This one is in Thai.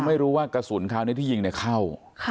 ไม่รู้ว่ากระสุนคราวนี้ที่ยิงเข้า